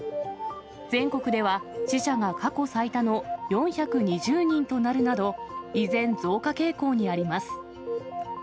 全国では、死者が過去最多の４２０人となるなど、依然、増加傾向にあります。